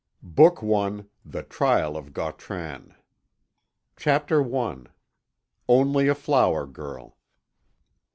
BOOK I. THE TRIAL OF GAUTRAN. CHAPTER I ONLY A FLOWER GIRL.